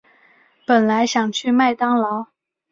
本来想去麦当劳